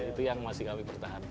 itu yang masih kami pertahankan